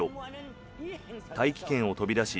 大気圏を飛び出し